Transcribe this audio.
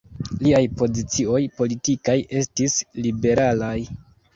Liaj pozicioj politikaj estis liberalaj.